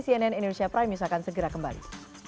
cnn indonesia prime news akan segera kembali